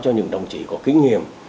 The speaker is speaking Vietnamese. cho những đồng chí có kinh nghiệm